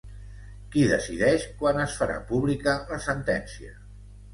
Qui decideix quan es farà pública la sentència?